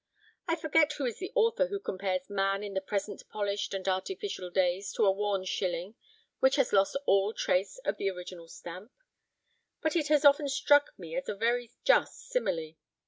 I forget who is the author who compares man in the present polished and artificial days to a worn shilling which has lost all trace of the original stamp; but it has often struck me as a very just simile.